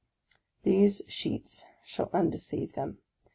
" These sheets shall undeceive them.